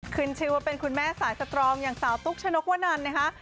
ขึ้นชื่อว่าเป็นคุณแม่สายสตรองอย่างสาวตุ๊กชนกวนันนะคะ